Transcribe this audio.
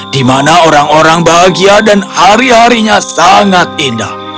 dimana orang orang bahagia dan hari harinya sangat indah